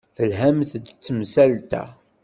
Telhamt-d s temsalt-a.